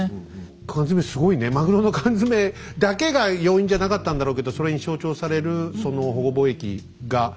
マグロの缶詰だけが要因じゃなかったんだろうけどそれに象徴されるその保護貿易が